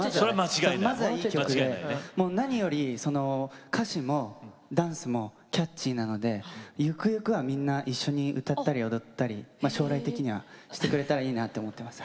何より歌詞もダンスもキャッチーなのでゆくゆくはみんな一緒に歌ったり踊ったり将来的にはしてくれたらいいなって思ってます。